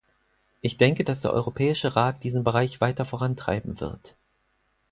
Ich denke, dass der Europäische Rat diesen Bereich weiter vorantreiben wird.